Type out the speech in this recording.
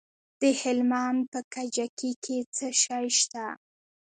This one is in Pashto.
د هلمند په کجکي کې څه شی شته؟